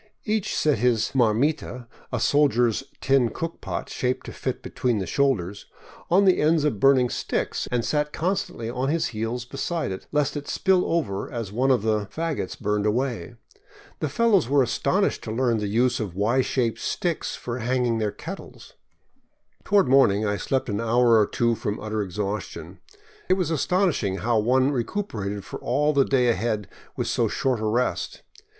Each set his marmita, a soldier's tin cook pot shaped to fit between the shoulders, on the ends of burning sticks and sat constantly on his heels beside it, lest it spill over as one of the 569 VAGABONDING DOWN THE ANDES fagots burned away. The fellows were astonished to learn the use of Y shaped sticks for hanging their kettles. Toward morning I slept an hour or two from utter exhaustion. It was astonishing how one recuperated for all the day ahead with so short a rest.